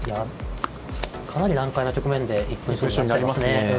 かなり難解な局面で１分将棋になりますね。